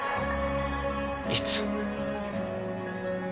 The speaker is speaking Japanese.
いつ？